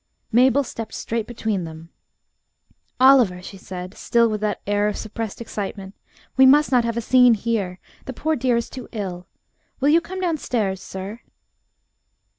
Mabel stepped straight between them. "Oliver," she said, still with that air of suppressed excitement, "we must not have a scene here. The poor dear is too ill. Will you come downstairs, sir?"